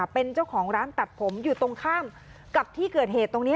เป็นเจ้าของร้านตัดผมอยู่ตรงข้ามกับที่เกิดเหตุตรงนี้